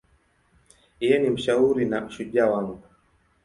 Yeye ni mshauri na shujaa wangu.